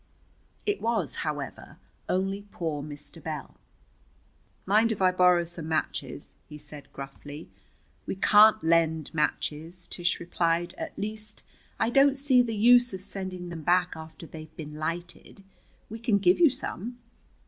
It was, however, only poor Mr. Bell. "Mind if I borrow some matches?" he said gruffly. "We can't lend matches," Tish replied. "At least, I don't see the use of sending them back after they've been lighted. We can give you some."